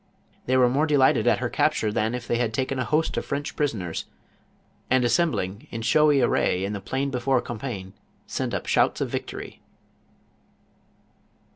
They were more delighted at her capture than if they had taken a host of French prisoners, and assembling in showy array in the plain befo're Cornpiegne, sent up shouts of victory.